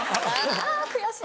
あぁ悔しい。